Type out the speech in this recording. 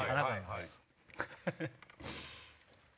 はい。